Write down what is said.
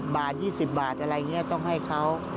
บาท๒๐บาทอะไรอย่างนี้ต้องให้เขา